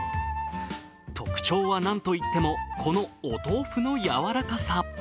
特徴は何といっても、この豆腐のやわらかさ。